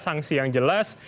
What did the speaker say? sanksi yang jelas